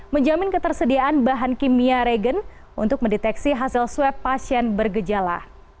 menjamin ketersediaan bahan kimia regen untuk mendeteksi hasil swab pasien bergejala